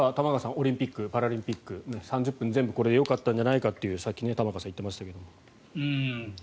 オリンピック・パラリンピック３０分、全部これでよかったんじゃないかとさっき玉川さん言っていましたけど。